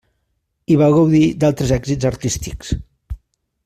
I va gaudir d'altres èxits artístics.